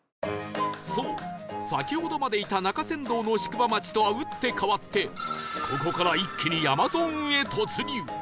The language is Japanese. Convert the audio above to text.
そう先ほどまでいた中山道の宿場町とは打って変わってここから一気に山ゾーンへ突入